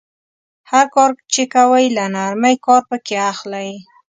هر کار چې کوئ له نرمۍ کار پکې اخلئ.